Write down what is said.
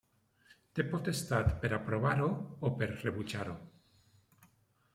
Té potestat per aprovar-ho o per rebutjar-ho.